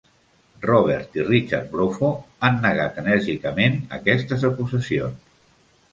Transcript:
Robert i Richard Bropho han negat enèrgicament aquestes acusacions.